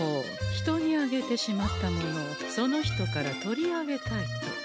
人にあげてしまったものをその人から取り上げたいと。